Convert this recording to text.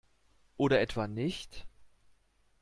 Oder etwa nicht?